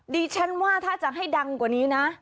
ดิฉันว่าถ้าจะให้ดังกว่านี้นะ